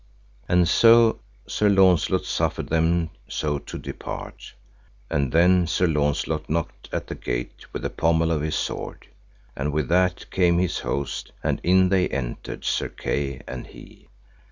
And so Sir Launcelot suffered them so to depart. And then Sir Launcelot knocked at the gate with the pommel of his sword, and with that came his host, and in they entered Sir Kay and he.